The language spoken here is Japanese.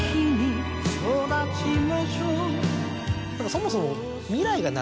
そもそも。